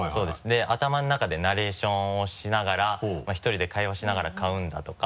で頭の中でナレーションをしながら１人で会話しながら買うんだとか。